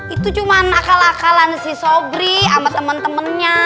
itu cuma akal akalan si sobri sama temen temennya